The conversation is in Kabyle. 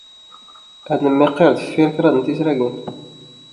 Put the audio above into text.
Ad nmmiqqir dffir kraḍ n tisragin